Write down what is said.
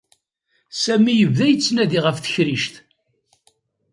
Sami yebda yettnadi ɣef tekrict.